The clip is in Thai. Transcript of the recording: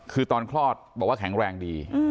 คือตอนคลอดบอกว่าแข็งแรงดี